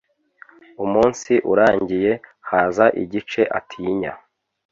umunsi urangiye, haza igice atinya